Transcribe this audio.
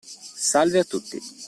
Salve a tutti.